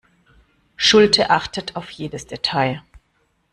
Schulte achtet auf jedes Detail.